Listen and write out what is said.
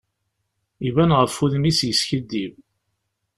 Iban ɣef wudem-is yeskiddib.